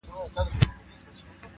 • کمزوری سوئ يمه، څه رنگه دي ياده کړمه،